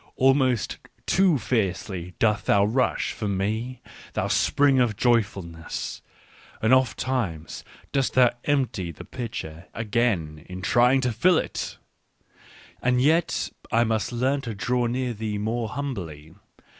" Almost too fiercely dost thou rush, for me, thou spring of joyfulness ! And ofttimes dost thou empty the pitcher again in trying to fill it. " And yet must I learn to draw near thee more humbly.